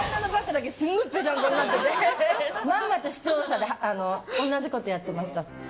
まんまと視聴者と同じことをやってました。